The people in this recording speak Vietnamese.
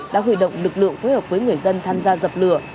đã hủy động lực lượng phối hợp với người dân tham gia dập lửa